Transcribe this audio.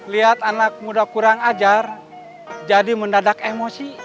lihat anak muda kurang ajar jadi mendadak emosi